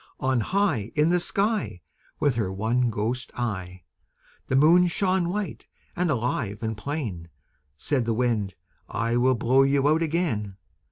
On high In the sky With her one ghost eye, The Moon shone white and alive and plain. Said the Wind "I will blow you out again."